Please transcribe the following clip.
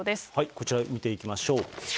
こちら、見ていきましょう。